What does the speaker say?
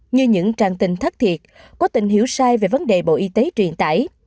như những trang tin thất thiệt có tình hiểu sai về vấn đề bộ y tế truyền tải